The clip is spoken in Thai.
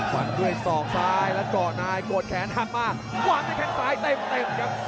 วางด้วยสองซ้ายแล้วก็นายกดแขนหักมาวางด้วยแขนซ้ายเต็มครับ